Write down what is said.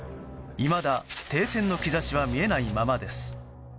いまだ停戦の兆しは見えないままです。